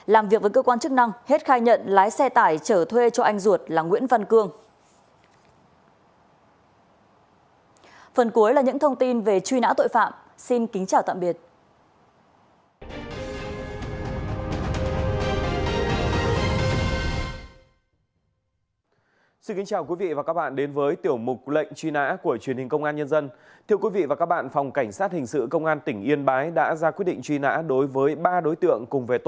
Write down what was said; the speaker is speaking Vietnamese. làm việc với cơ quan chức năng hết khai nhận lái xe tải trở thuê cho anh ruột là nguyễn văn cương